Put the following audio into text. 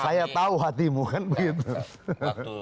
saya tahu hatimu kan begitu